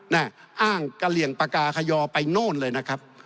อ้างกะเหลี่ยงปากาขยอไปโน่นเลยนะครับ